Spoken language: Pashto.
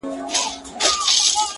اوس ماشومان له تاریخونو سره لوبي کوي-